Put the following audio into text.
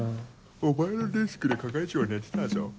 お前のデスクで係長が寝てたぞ。